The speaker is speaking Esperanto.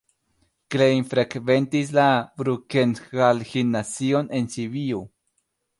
Klein frekventis la Brukenthal-gimnazion en Sibiu.